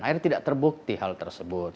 akhirnya tidak terbukti hal tersebut